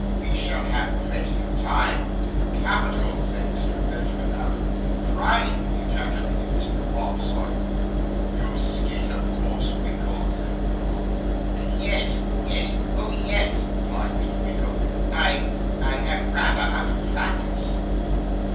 We shall have plenty of time.' 'Capital!' said Mr. Benjamin Allen. 'Prime!' ejaculated Mr. Bob Sawyer. 'You skate, of course, Winkle?' said Wardle. 'Ye yes; oh, yes,' replied Mr. Winkle. 'I I am _rather _out of practice.